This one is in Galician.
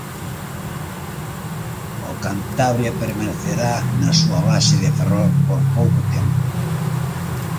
O Cantabria permanecerá na súa base de Ferrol por pouco tempo.